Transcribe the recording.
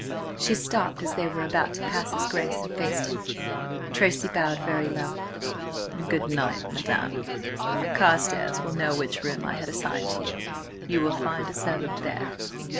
She stopped as they were about to pass his Grace, and faced him. Tracy bowed very low. "Good night, madam. Carstares will know which room I had assigned to you. You will find a servant there."